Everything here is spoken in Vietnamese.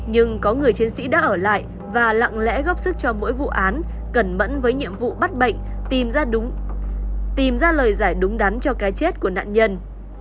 nhưng có người chiến sĩ đã ở lại và lặng lẽ góp sức cho mỗi vụ án cẩn mẫn với nhiệm vụ bắt bệnh tìm ra tìm ra lời giải đúng đắn cho cái chết của nạn nhân